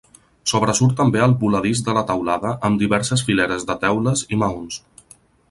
Sobresurt també el voladís de la teulada amb diverses fileres de teules i maons.